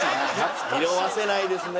色あせないですね。